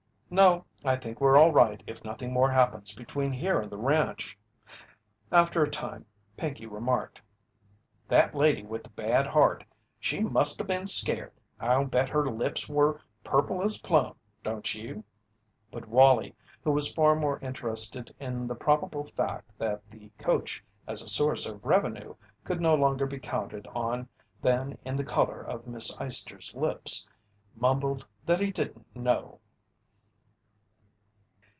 "No, I think we're all right if nothing more happens between here and the ranch." After a time Pinkey remarked: "That lady with the bad heart she must 'a' been scairt. I'll bet her lips were purple as a plum, don't you?" But Wallie, who was far more interested in the probable fact that the coach as a source of revenue could no longer be counted on than in the colour of Miss Eyester's lips, mumbled that he didn't know.